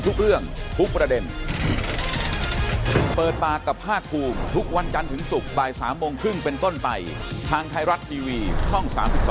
ท่านท่านท่านท่าน